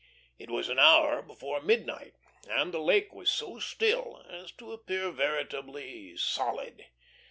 It was an hour before midnight, and the lake was so still as to appear veritably solid.